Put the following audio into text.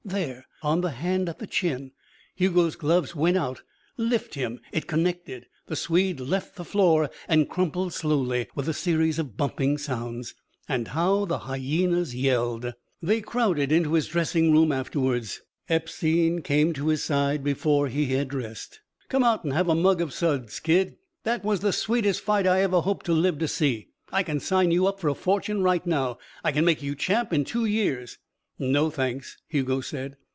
There. On the hand at the chin. Hugo's gloves went out. Lift him! It connected. The Swede left the floor and crumpled slowly, with a series of bumping sounds. And how the hyenas yelled! They crowded into his dressing room afterwards. Epstein came to his side before he had dressed. "Come out and have a mug of suds, kid. That was the sweetest fight I ever hope to live to see. I can sign you up for a fortune right now. I can make you champ in two years." "No, thanks," Hugo said.